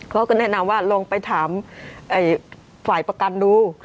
เขาก็แนะนำว่าลองไปถามฝ่ายประกันดู